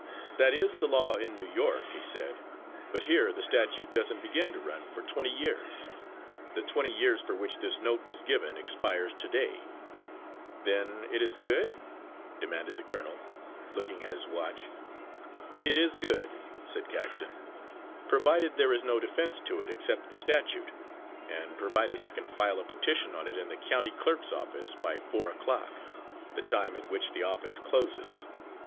"That is the law in New York," he said, "but here the statute doesn't begin to run for twenty years. The twenty years for which this note was given expires to day." "Then it is good?" demanded the colonel, looking at his watch. "It is good," said Caxton, "provided there is no defence to it except the statute, and provided I can file a petition on it in the county clerk's office by four o'clock, the time at which the office closes.